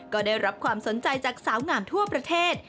ก็ได้รับความสนใจจากสาวงามทั่วประเทศ